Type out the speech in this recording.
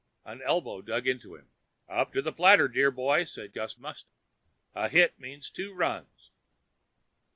An elbow dug into him. "Up to the platter, dream boy," said Gust Mustas. "A hit means two runs."